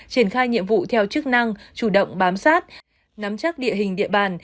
triển khai nhiệm vụ theo chức năng chủ động bám sát nắm chắc địa hình địa bàn